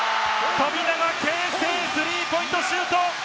富永啓生、スリーポイントシュート！